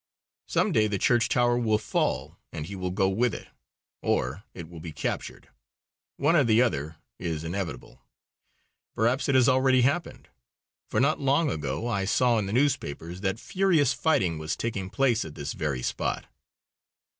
Some day the church tower will fall and he will go with it, or it will be captured; one or the other is inevitable. Perhaps it has already happened; for not long ago I saw in the newspapers that furious fighting was taking place at this very spot.